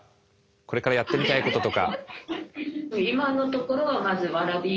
これからやってみたいこととか。